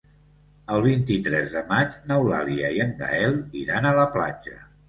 El vint-i-tres de maig n'Eulàlia i en Gaël iran a la platja.